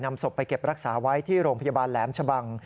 ศพไปเก็บรักษาไว้ที่โรงพยาบาลแหลมชะบัง